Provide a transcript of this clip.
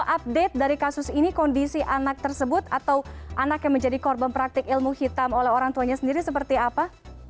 update dari kasus ini kondisi anak tersebut atau anak yang menjadi korban praktik ilmu hitam oleh orang tuanya sendiri seperti apa